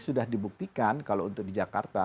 sudah dibuktikan kalau untuk di jakarta